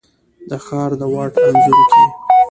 د ښار د واټ انځور کي،